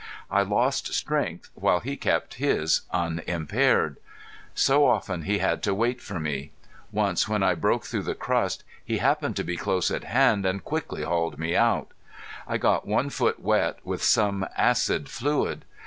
I lost strength while he kept his unimpaired. So often he had to wait for me. Once when I broke through the crust he happened to be close at hand and quickly hauled me out. I got one foot wet with some acid fluid.